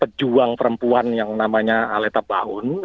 pejuang perempuan yang namanya aleta baun